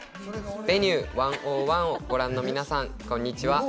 「Ｖｅｎｕｅ１０１」をご覧の皆さん、こんにちは。